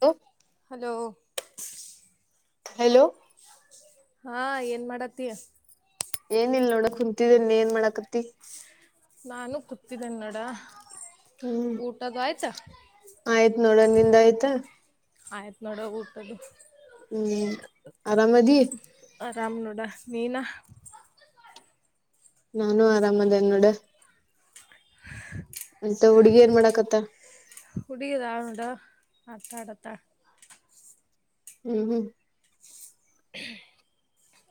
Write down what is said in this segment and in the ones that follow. Hello hello hello ಹಾ ಏನ್ ಮಾಡತ್ತ ಏನ ಇಲ್ ನೋಡಕ್ ಕುಂತಿದ್ದನ್ನ ಏನ್ ಮಾಡಕತಿ ನಾನು ಕತಿದ್ದನ್ ನೋಡ ಹ್ಮ್ ಊಟದ ಆಯ್ತಾ ಆಯ್ತ್ು ನೋಡೋಣ ನಿಂದ ಆಯ್ತ ಆಯ್ತ್ ನೋಡ ಊಟದ ಹ್ಮ್ ಆರಾಮದ ರಾಮನೂಡ ನೀನಾ ನಾನು ಆರಾಮದೇ ನೋಡ [inaudible] ಅಂತ ಹುಡ್ಗಿ ಏನ್ ಮಾಡಾಕತ್ತ ಅತಡತ್ತಾ ಹ್ಮ್ ಹ್ಮ್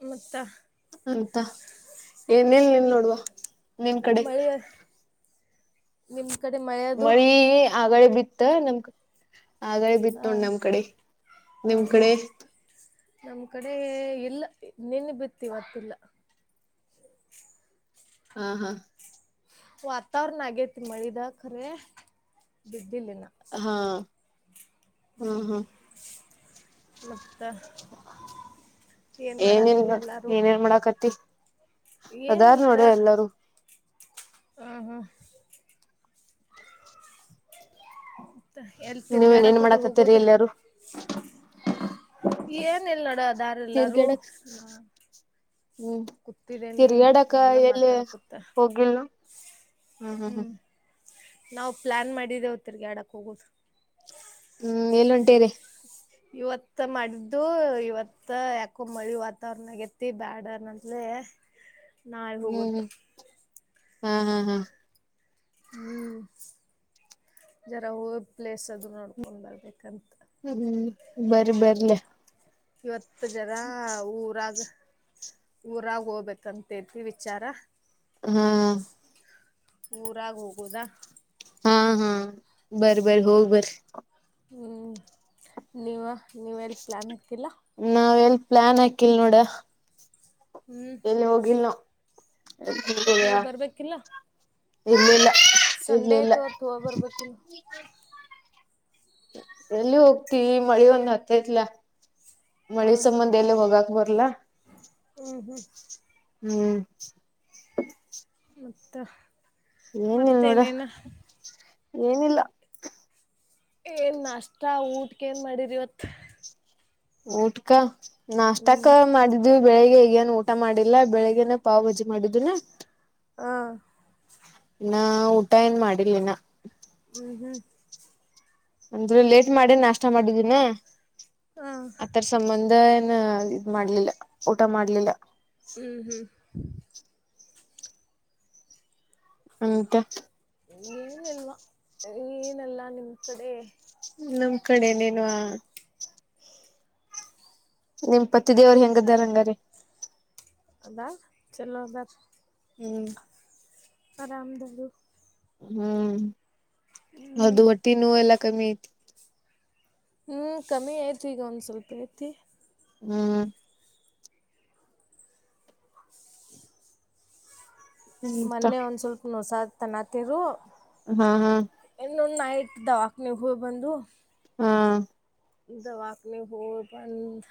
ಮತ್ತ ಅಂತ ಏನೇಲ್ ನಿಲ್ ಏನಿಲ್ಲ ನೋಡ್ುವ ನಿಮ ಕಡೆ ನಿಿನ ಕಡೆ ಮಾಡಾದು ಆಗಡೆ ಬಿತ್ತ ನಮ ಆಳ ಬಿಟ್ಟ ಹಾ ನೋೊಂಡ ನಮ್ ಕಡೆ ಹಾ ನಿಮ್ ಹಾ ಕಡೆ ನಮ್ ಕಡೆ ಎಲ್ಲ ನಿನ್ ಬಿತ್ತವತ್ತಿಲ್ಲ ಹಾ ಹಾ ವಾತಾವರಣ ಆಗೇತ್ ಮಳಿದ ಖರೆ ಬಿದ್ದಿಲ್ಲಿನ ಹಾ ಹ್ಮ ಮತ್ತುತ್ತೆ ಏನಲ್ ಏನೇನ್ ಮಾಡಾಕತಿ ಅದಾದ್ ನೋಡ ಎಲ್ಲಾರೂ ಹ ಹಾ ಮತ್ತ ಎಲ್ ನೀವ್ ಏನೇನ್ ತಿರ್ಗಾಡಕದು ಮಾಡಾಕತ್ತೀರಿ ಹೋಗುದ ಎಲ್ಲಾರು ಏನ ಇಲ್ ನೋಡ ದಾರೆಲ್ಲಾರು ತಿರ್ಗಾಡಕ್ ಹ ಹ್ಮ್ ತಿರ್ಗಾಡಕ ಫೋನ್ದಾಗ ಎಲ್ಲಿ ಮಾತಾಡ್ಕೊತ ಹೋಗಿಲ್ನು ಹ್ಮ್ ಹ್ಮ್ ಹ್ಮ್ ನಾವು ಪ್ಲಾನ್ ಮಾಡಿದ್ದೇ ಹೊ ತಿರ್ಗಿ ಆಡಕ್ ಹೋಗೋುದು ಹ್ಮ್ ಎಲ್ಲಂಟೇರಿ ಇವತ್ತ ಮಾಡ್ದು ಇವತ್ತ ಯಾಕೋ ಮಳಿ ವಾತಾವರ್ರಣ ಆಗ ಎತಿ ಬ್ಯಾಡ ಅನಂದ್ಲ ನಾ ಹ್ಮ್ ಹೋಗೋದು ಹ್ಮ್ ಹಾ ಹಾ ಹಾ ಹ್ಮ್ ಜರ ಹೋ ಪ್ಲೇಸ್ ಅದು ನೋಡ್ಕೊಂಡ್ ಬರ್ಬೇಕಂತ ಹ್ಮ್ ಬರಿ ಬರ್ಲ್ಲ ಇವತ್ತು ಜನ ಊರಾಗ ಊರಾಗ ಹೋಗ್ಬೇಕಂತೇತಿ ವಿಚಾರ ಹಾ ಪಊರಾಗಿ ಹೋಗೋದ ಹಾ ಹಾ ಬರ ಬರಿ ಹೋಗ್ ಬರ ಹ್ಞೂ ನೀವ ನೀವ ಎಲ್ಲಿ ಪ್ಲ್ಯಾನ್ ಆಕಿಲ್ಲ ನಾವ್ ಎಲ್ ಪ್ಲಾನ್ ಹಾಕಿಲ್ ನೋಡ ಹ್ಮ್ ಎಲ್ಲಿ ಹೋಗಿಲ್ ನೋ ಅಕ್ಕ ಹೋಗ್ ಬರ್ಬೇಕಿಲ್ಲ ಇರ್ಲಿಲ್ಲ ಸಂಡೆ ಇರ್ಲಿಲ್ಲ ಐತೆ ಅವ ತವ ಬರ್ಬೇಕಿಿಲ್ಲ ಎಲ್ಲಿ ಹೋಗ್ತಿೀವಿ ಮಳಿ ಒಂದ ಹತ್ತೈತ್ಲ ಹಾ ಮಳಿ ಹಾ ಸಂಬಧ ಇಲ್ಲ ವಗಕ್ ಬರಲ ಹ್ಮ್ ಹ್ಮ್ ಹ್ಮ್ ಮತ್ತುತ್ತ ಏನಲ್ ನೋಡ ಏನಿಲ್ಲ ಏನ್ ಅಷ್ಟ ಊಟಕ್ಕೆ ಏನ್ ಮಾಡಿದರಿ ಇವತ್ ಊಟ್ಕ ಹ್ಮ್ ನಾಷ್ಟಕ್ಕ ಮಾಡಿದ್ವಿ ಬೆಳಿಗ್ ಬಯಾನ ಊಟ ಮಾಡಿಲ್ಲ ಬೆಳಿಗ್ಗೆನ ಪಾವ್ ಭಜಿ ಮಾಡಿದ್ದುನ ಹಾ ನಾ ಊಟ ಏನ್ ಮಾಡಿರ್ಲಿನ ಹ್ಮ್ ಹ್ಮ್ ಅಂದ್ರೆ ಲೇಟ್ ಮಾಡಿ ನಾಷ್ಟ ಮಾಡಿದಿನ ಹಾ ಆತರ ಸಂಬಂಧ ನ್ ಇದ್ ಮಾಡ್ಲಿಲ್ಲ ಊಟ ಮಾಡ್ಲಿಲ್ಲ. ಹ್ಮ್ ಹ್ಮ್. [unintelligible] ಏನ್ ಅಲ್ಲ ನಿಮ್ ಕಡೆ. ನಮ್ ಕಡೆ ಇನ್ನ ಏನು ಆ. ನಿಮ್ ಪತಿ ದೇವ್ರ ಹೆಂಗ್ದಾರ ಹಂಗಾರಿ. ಅದಾರ್ ಚಲೋ ಅದಾರ್. ಹ್ಮ. ಆರಾಮ ದಾರು. ಹ್ಮ್ ಅದು ಹ್ಮ್ ಹೊಟ್ಟಿ ನೋವ ಎಲ್ಲಾ ಕಮ್ಮಿ ಐತು. ಹ್ಮ್ ಕಮ್ಮಿ ಆಯ್ತ್ ಈಗ ಒಂದ್ ಸ್ವಲ್ಪ ಐತಿ. ಹ್ಮ. ಮೊನ್ನೆ ಒಂದ ಸ್ವಲ್ಪ ನೊಸತ ಅನಾತಿರು. ಹಾ ಹಾ [unintelligible] ನೈಟ್ ದವಾಖಾನಿಗ ಹೋಗಿ ಬಂದು. ಹ್ಮ್ಮ್. ದವಾಖಾನಿಗ ಹೋಗಿ ಬಂದ್.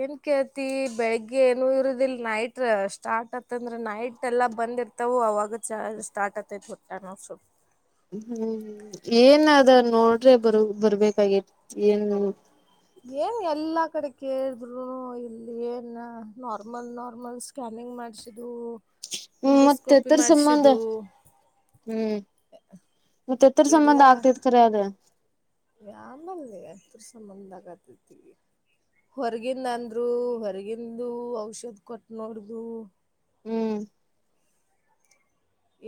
ಏನ್ ಕೇಳುತ್ತಿ ಬೆಳಗ್ಗೆ ಏನು ಇರುದಿಲ್ ನೈಟ್ ಸ್ಟಾರ್ಟ್ ಆತಂದ್ರ ನೈಟ್ ವಟ್ಟ ಎಲ್ಲಾ ಬಂದಿರ್ತವು ಅವಾಗ ಚಾ ಸ್ಟಾರ್ಟ್ ಆತೈತ್ ಹೊಟ್ಯಾಗ ನುಸೂದ. ಹ್ಮ್ ಏನದ ನೋಡ್ರೆ ಬರು ಬರ್ಬೇಕಾಗಿತ್ತು ಏನ್ ನೋ. ಏನ್ ಎಲ್ಲಾ ಕಡೆ ಕೇಳ್ರು ಇಲ್ಲಿ ಏನ್ ನಾರ್ಮಲ್ ನಾರ್ಮಲ್ ಸ್ಕ್ಯಾನಿಂಗ್. ಹಿಂಗ ಮಾಡ್ಸಿದು. ಹ್ಮ ಮತ್ತ ಎತರ್ ಸಂಬಂಧ ಹ್ಮ್. ಮತ್ತ ಎತರ್ ಸಂಬಂಧ ಆಗ್ತೈತಿ ಕರೆ ಅದ. ಯಾಂಬಲ್ ಎತರ ಸಂಬಂಧ ಅಗಾತೈತಿ. ಹೊರಗಿಂದ ಅಂದ್ರು ಹೊರಗಿಂದು ಔಷಧ್ ಕೊಟ್ಟ ನೋಡ್ಧು. ಹ್ಮ್.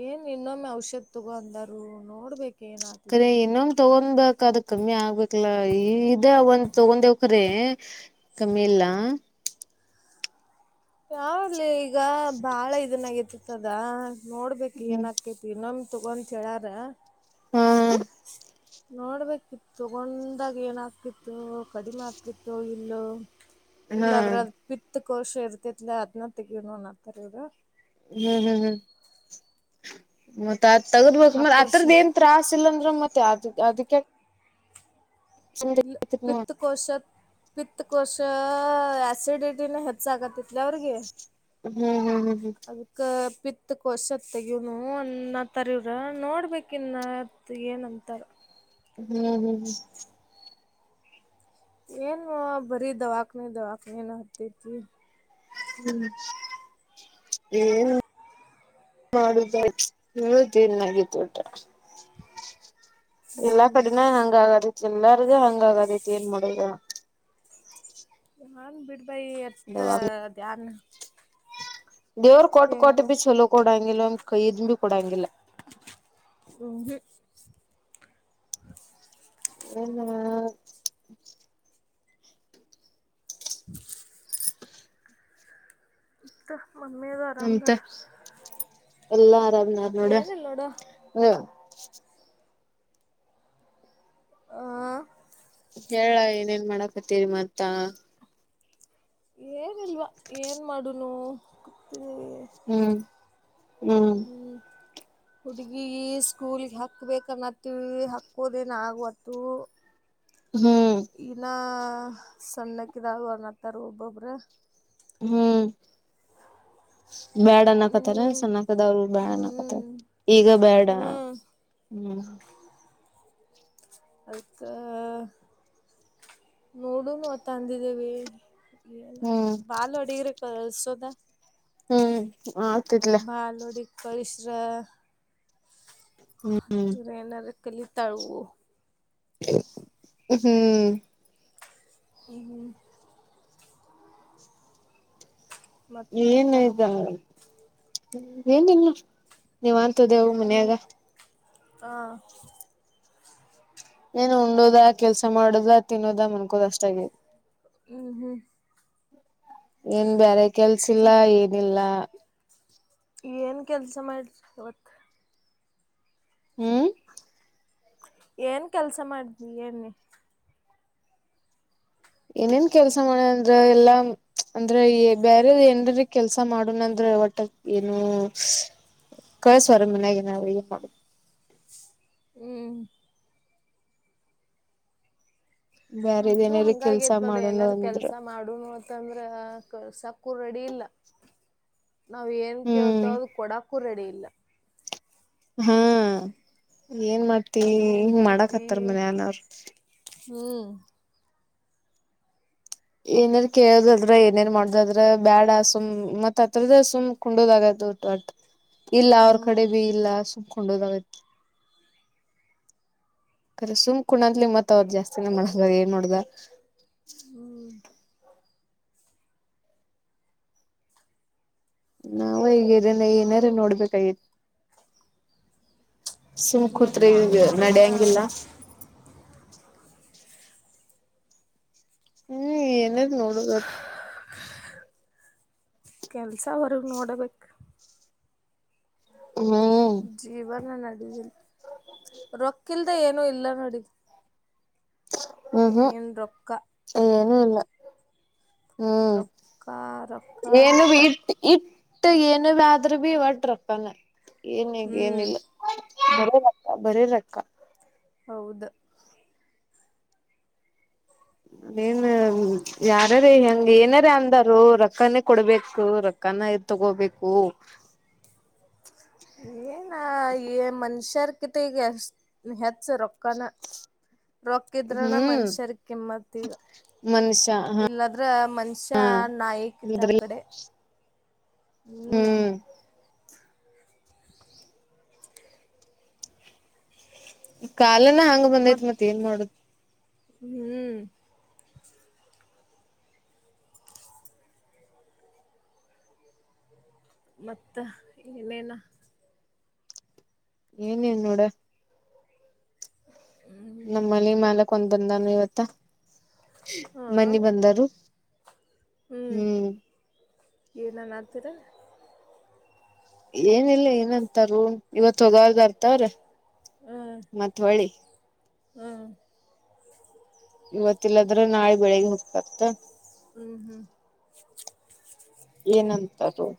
ಏನ್ ಇನ್ನೊಮ್ಮೆ ಔಷಧಿ ತಗೋ ಅಂದರು ನೋಡ್ಬೇಕ. ಏನ್ ಕರಿ ಆತತಿ ಇನ್ನೊಮ್ಮ ತಗೊಂದ್ ಅದ ಕಮ್ಮಿ ಆಗ್ಬೇಕಲ. ಈ ಇದ ಒಂದ್ ತಗೊಂಡವ ಕರೆ ಕಮ್ಮಿ ಇಲ್ಲ. ಯಾವಲೆ ಈಗ ಬಾಳ ಇದನ್ನ ಆಗೈತ್ಯಾತ ಅದ. ನೋಡ್ಬೇಕ ಹ್ಮ್ ಏನ್ ಆಕೇತಿ ಇನ್ನಮ್ ತಗೊಂತ ಹೇಳ್ಯಾರ. ಹ. ನೋಡ್ಬೇಕಿತ್ತ ತಗೊಂಡಾಗ ಏನ ಆಕೆತೋ ಕಡಿಮೆ ಆಕೆತೊ ಇಲ್ಲೋ. ಹಾ ಇಲ್ಲಾದ್ರ ಹ್ಮ್ ಅದ್ ಪಿತ್ ಕೋಶ ಇರ್ತೇತ್ಲ ಅದನ ತೆಗಿನು ಅನ್ನತಾರ್ ಇವರ. ಹ್ಮ್ ಹ್ಮ್ ಹ್ಮ್ ಮತ್ತ. ಆತ ತಗದ ಮೇಲೆ ಸುಮ್ಮ ಆತ್ರರದ ಆಪರೇಷನ್ ಏನ್ ತ್ರಾಸ್ ಇಲ್ಲ ಅಂದ್ರ ಮತ್ತ ಅದ ಅದಕ್ಯಾಕ್. ಇಲ್ಲ ಪತ್ತಕೋಶ ಪಿತ್ ಕೋಶ ಆಸಿಡಿಟಿನ ಹೆಚ್ಚ ಅಗಾತೈತಿ. [unintelligible] ಅವರಿಗಿ ಹ್ಮ್ ಹ್ಮ್ ಹ್ಮ್ ಹ್ಮ್ ಅದಕ್ಕ. ಪಿತಕೋಶ ತಗೀನು ಅನ್ನತಾರ ಇವರ ನೋಡ್ಬೇಕ ಇನ್ನತ್ ಏನ್ಂತಾರು. ಹ್ಮ್ ಹ್ಮ್. ಏನ್ವಾ ಭರಿ ದವಾಖಾನಿ ದವಾಖಾನಿ ನ ಹತ್ತೈತಿ. ಹ್ಮ್ [unintelligible] ಮಾಡುದ [unintelligible] ವಟ್ಟ. ಎಲ್ಲಾ ಹ್ಮ್ ಕಡಿನ ಹಂಗ ಆಗದೈತಿ ಎಲ್ಲಾರಗು ಹಂಗ ಆಗದೈತಿ ಏನ್ ಮಾಡುದ ಹೇಳ್. ಹಂಗ ಬಿಡ್ ಬಾಯಿ ಎತ್ತ ದವಾ ಧ್ಯಾನ್. ದೇವ್ರು ಕೊಟ್ ಹೇ ಕೋಟ ಬಿ ಚೋಲೋ ಕೊಡಂಗಿಲ್ಲ ಒಮ್ಮಿ ಕೈ ಇದ್ ಬಿ ಕೊಡಂಗಿಲ್ಲ. ಹ್ಮ್ ಹು. ಏನ ವಾ. [inaudible] ತ್ತ ಎಂತ ಎಲ್ಲಾ ಆರಾಮನಾರ ನೋಡ ಏನಿಲ್ಲ ನೋಡ ಹ ಆ ಹೇಳ ಏನೇನ್ ಮಾಡಕತ್ತೀರಿ ಮತ್ತ ಏನ್ಲ್ವಾ ಏನ್ ಮಾಡುನು ಕೂತಿದೀವಿ ಹ್ಮ್ ಹ್ಮ್ ಹುಡ್ಗಿ ಸ್ಕೂಲ್ಗೆ ಹಕ್ಬೇಕ ಅನ್ನತ್ತೀವಿ ಹಕ್ಕೋದೇನ್ ಆಗವತ್ತುು ಹ್ಮ್ ಇನ ಸಣ್ಣಕ್ಕಿದಾಗ ಅನತ್ತಾರ ಒಬ್ಬೊಬ್ರ ಹ್ಮ್ ಬ್ಯಾಡ ಅನ್ನಕತ್ತಾರೆ ಹ್ಮ್ ಸಣ್ಣಕದವ್ರು ಬ್ಯಾಡನ್ನಕತ್ತಾರೆ ಹ್ಮ್ ಈಗ ಬೇಡ ಹ್ಮ್ ಹ್ಮ್ ಆಯ್ತಾ ನೋಡುನು ಮತ್ತ ಅಂದಿದ್ದೇವಿ ಏಲ್ಲ ಹ್ಮ್ ಬಾಲ್ ಅಡಿಗ್ರ ಕಲ್ಸೋದ ಹ್ಮ್ ಆಗ್ತಿದಲ ಪರಿಸರಾ ಹ್ಮ್ ಏನಾರ ಕಲಿ ತಾಳುವು ಹ್ಮ್ ಹ್ಮ್ ಹ್ಮ ಹ್ಮ ಮತ್ತು ಏನ್ಯತಲ್ಲ ಏನಿಲ್ಲ ನೀವ್ ಇತದೆವು ಮನ್ಯಾಗ ಹಾ ಏನು ಉಂಡೋದ ಕೆಲ್ಸ ಮಾಡದ ತಿನ್ನೋದ ಮನ್ಕೋದ ಅಷ್ಟಾಗಿ ಹ್ಮ್ ಹ್ಮ್ ಏನ್ ಬೇರೆ ಕೆಲ್ಸಿಲ್ಲ ಏನಿಲ್ಲ ಏನು ಕೆಲಸ ಮಾಡ್ರಿ ಇವತ್ತು ಹ್ಮ್ ಏನ್ ಕೆಲ್ಸ ಮಾಡಿದ್ವಿ ಏನ್ ಏನೇನ್ ಕೆಲ್ಸ ಮಾಡ ಅಂದ್ರ ಎಲ್ಲಾ ಅಂದ್ರೆ ಬೇರೆ ಏನ್ಕೆ ಮಾಡುಣ ಅಂದ್ರ ಒಟ್ಟ ಏನು ಕಳಸುವರ ಮಿನಗೆ ನ ಮಾಡ ಹ್ಮ್ ಬ್ಯಾರೆದ ನಮ್ದು ಏನಾರ ಕೆಲ್ಸ ಹಂಗಗೇತ್ ನೋಡ ಮಾಡೋಣ ಏನಾದಾರ ಅಂದ್ರ ಕೆಲ್ಸ ಮಾಡುನು ಅಂತಂದ್ರ ಸಾಕು ಡಿ ಇಲ್ಲ ನಾವ ಏನ್ ಕೇಳ್ತ ಹ್ಮ್ ಅ ಕೊಡಕೂ ರೆಡಿ ಇಲ್ಲ ಹಾ ಏನ್ ಮಾಡ್ತಿ ಏನ್ ಹಿಂಗ ಮಾಡಕ್ ಹತ್ತಾರ ಮನ್ಯನ್ ಅವರು ಹ ಏನಾರ ಕೇಳದಲ್ ಏನೇಾರ ಮಾಡದದ್ರ ಬ್ಯಾಡ ಸುಮ್ ಮತ್ ಹತ್ರದ ಸುಮ್ ಕುಂಡದ್ ಆಗತ್ತ ಟ್ ಇಲ್ಲ ಅವ್ರ ಕಡೆ ಹ್ಮ್ ಭ ಇಲ್ಲ ಸುಂಬಕೊಂಡೋದಾಗತ್ ಕಖರೆ ಸುಂಕ ಕುಣಂದ್ಲಿ ಮತ್ ಅವರು ಜಾಸ್ತಿಿನ ಮಾಡ ಏನ್ ನೋಡ್ದ ಹ್ಮ ನಾವ ಹೀಗೇನೆ ಏನಾರು ನೋಡ್ಬೇಕಾಗಿ ಎಲ್ ಸುಮಕೂತ್ರೆ ಯಾನ್ ಈಗ ನೋಡುದ ನಡ್ಯಂಗಿಲ್ಲ ಹ್ಮ್ ಎನದ ನೋಡ ಕೆಲ್ಸವರ್ಗ ನೋಡಬೇಕು ಹ್ಮ್ ಜೀವನ ನಡಗಿಲ್ಲ ರೊಕ್ಕಲ್ದ ಏನು ಇಲ್ಲ ನೋಡಿ ನೇನ್ ರೊಕ್ಕ ಹ್ಮ ರೊಕ್ಕ ರೊಕ್ಕ ರಕ್ಕ ಮತ್ತೆ ಏನು ಭ ಆದ್ರೂ ಭೀ ಹೊಟ್ರಪ್ಪಾನ ಏನ್ಗ ಹ್ಮ್ ಏನಿಲ್ಲ ಬರ ರಕ್ಕ ಬರ ರಕ್ಕ ಹೌದು [inaudible] ನೀನ್ ಯಾರಾರ ಹೆಂಗ ಏನಾರ ಅಂದಾರ ರೊಕ್ಕಾನೇ ಕೊಡ್ಬೇಕು ರೊಕ್ಕಾನ ಆಯ್ತು ತಗೋಬೇಕು. [inaudible] ಏನ ಏ ಮನುಷ್ಯರ್ ಕಿತ ಈಗ ಹೇ ಹೆಚ್ಚ ರೊಕ್ಕನ. ರೊಕ್ಕಿದ್ರರಣ ಹ್ಮ್ ಮನಷ್ಯರೀಗ ಕಿಮ್ಮತ್ತ ಈಗ. ಮನುಷ್ಯ ಹ ಇಲ್ಲದ್ರ ಮನುಷ್ಯ ನಾಯಿ ಕಿತ ಇದ್ರ ಅಕಡೆ. ಹ್ಮ್. ಕಾಲನ ಹಂಗ ಬಂದೈತ್ ಮತ್ ಏನ್ ಮಾಡುದು. ಹ್ಮ್. ಮತ್ತ ಏನೇನ. ಏನಿಲ್ಲ ನೋಡ. ನಮ್ಮನಿ ಮಾಲಕ್ ಒಂದ್ ಬಂದಾನು ಇವತ್ತ ಹಾ ಮನ್ನಿ ಬಂದಾರು. ಹ್ಮ್. ಏನ ಅನಾತಿರು. ಏನ ಇಲ್ಲ ಏನಂತಾರ ಇವತ್ತ ಹೋಗಾರದಾರ. ತ್ತಾರ ಹ್ಮ್ ಮತ್ ಹೊಳ್ಳಿ. ಹ್ಮ್. ಇವತ್ತಲ್ಲದ್ರೆ ನಾಳೆ ಬೆಳಿಗ್ಗೆ ಹೋಗ್ತಾರತ. ಹ್ಮ್ ಹ್ಮ್. ಏನಂತಾರ.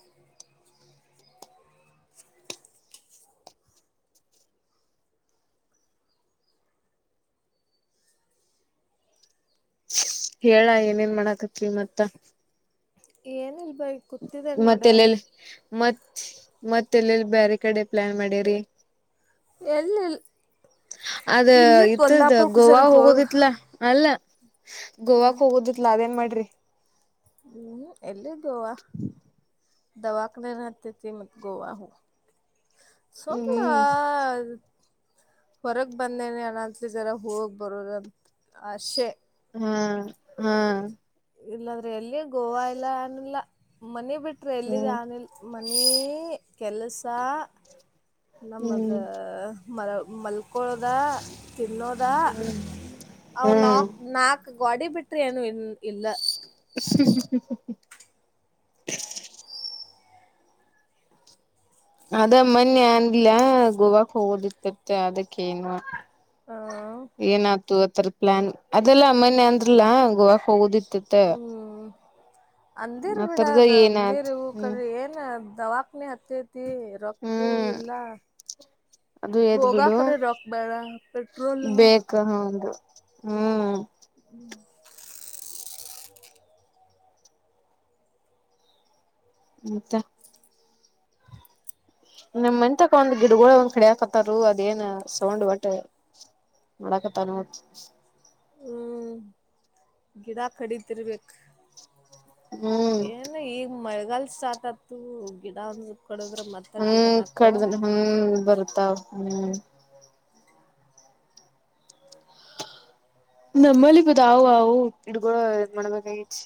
ಹೇಳಲಾ ಏನೇನ್ ಮಾಡಾಕತ್ರಿ ಮತ್ತ. ಏನ್ ಇಲ್ ಮತ್ತೆಲ್ಲಿ ಮತ್ತ. ಮತ್ತೆಲ್ಲೆಲ್ಲಿ ಬ್ಯಾರೆ ಕಡೆ ಪ್ಲಾನ್ ಮಾಡಿರಿ. ಎಲ್ಲಿ ಇಲ್ ಅದ ಇತರದ ಗೋವಾಗ ಹೋಗ್ ಹೋಗೋದಿತ್ಲ ಅಲ್ಲ. ಹ್ಮ್ ಗೋವಾಕ್ ಹೋಗೋದಿತ್ಲ ಅದೇನ್ ಮಾಡ್ರಿ. ಹ್ಮ್ ಎಲ್ಲಿದ. [inaudible] ದವಾಖಾನಿನ ಹಾತ್ತೈತಿ ಮತ್ತ್ ಗೋವಾಗ ಹೋಗ. ಸುಮ್ಮ. ಹ್ಮ್ ಹೊರಗ್ ಬಂದೇನೆ ಅಣಂತ ಜರ ಹೋಗ್ ಬರುದಂತ ಆಶೆ ಹಾ ಹಾ. ಇಲ್ಲಂದ್ರೆ ಎಲ್ಲಿ ಗೋವಾ ಇಲ್ಲ ಅನಿಲ್ಲ ಮನೆ ಬಿಟ್ಟ ಬಿಟ್ರ ಎಲ್ಲಿದ ಹ್ಮ್ ಯಾನ ಇಲ್ಲ ಮನಿ ಕೆಲಸ. ನಮ್ಮದ ಹ್ಮ್ ಮಲ ಮಲ್ಕೊಳದ ತಿನ್ನೋದ. ಅವ ಹ್ಮ್ ನಾಕ್ ನಾಕ್ ಗ್ವಾಡಿ ಬಿಟ್ರಿ ಏನು ಇ ಇಲ್ಲ. ಹಹಹಃ. ಅದ ಮನ್ನಿ ಅಂದಿಲಾ ಗೋವಾಕ್ ಹೋಗೋದ ಇತ್ತ್ ಅತ ಅದಕ್ ಹೇಳಿಣ್ವಾ. ಆ ಏನ ಆತು ಅದರ ಪ್ಲಾನ್ ಅದಲಾ ಮನ್ನಿ ಅಂದ್ರಲ್ಲ ಗೋವಾಕ್ ಹೋಗುದಿತ್ [unintelligible] ಹ್ಮ್ ಅಂದಿರ್ ಬಿಡದ ಅದ ಅಂದಿರು ಹ್ಮ್ ಕರೆ ಏನ್ ದವಾಖನಿ ಹತ್ತಿ ತ್ತಿ ರೊಕ್ಕು ಹ್ಮ್ ಇಲ್ಲಾ. ಅದು ಎದ್ ಬಿಡು ಹೋಗಾಕರೆ ರೊಕ್ಕ ಬ್ಯಾಡ ಪೆಟ್ರೋಲ್. ಬೇಕ ಹೌದು ಹ್ಮ್. [inaudible] ಮತ್ತ. ನಮ ಮನಿತಾಕ ಒಂದ್ ಗಿಡಗಳ ಒಂದ್ ಕಡಿಯಕತ್ತರು ಅದೇನ್ ಸೌಂಡ್ ವಟ್ಟ್. [unintelligible] ಹ್ಮ ಗಿಡಾ ಕಡಿತಿರ್ಬೇಕ. ಹ್ಮ್ ಏನು ಈಗ ಮಳೆಗಲ್ ಸ್ಟಾರ್ಟ ಆತು ಗಿಡಂದ ಹ್ಮ ಕಡ್ದನ ಹ್ಮ ಬರ್ತಾವ ಹ್ಮ್ ನಮ್ಮಲ್ಲಿಗದ ಅವು ಇಡ್ಗ ಮಾಡಬೇಕತಿ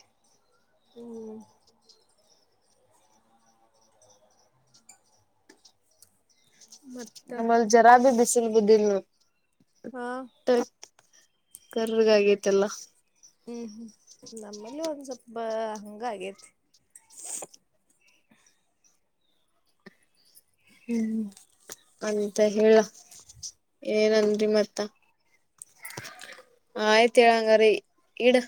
ಹ್ಮ್ ಮತ್ತ ನಮ್ಮಲ್ಲಿ ಜರಾ ಬಿ ಬಿಸಿಲ್ ಬುದಲ್ ಹಾ ಕರ್ರಗ ಆಗೈತೆಲ್ಲ ಹ್ಮ್ ಹ್ಮ್ ನಮ್ಮಲ್ಲಿ ಒಂದ್ ಸ್ವಲ್ಪ ಹಂಗ ಆಗೇತಿ ಹ್ಮ್ ಅಂತ ಹೇಳ ಏನನ್ರಿ ಮತ್ತ ಆಯ್ತ್ ಹೇಳಂಗರಿೀ ಇಡು